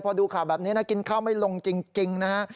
พอดูข่าวแบบนี้นะกินข้าวไม่ลงจริงนะฮะ